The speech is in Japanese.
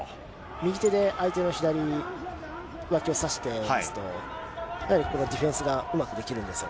右手を相手の左わきをさしてますと、やはりこのディフェンスがうまくできるんですよ。